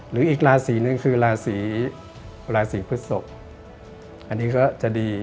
หรืออีกราศีนึงคือราศีพุศศกอันนี้ก็จะดี